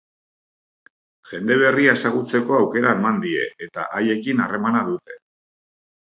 Jende berria ezagutzeko aukera eman die eta haiekin harremana dute.